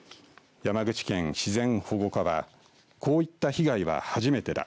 山口県自然保護課はこういった被害は初めてだ。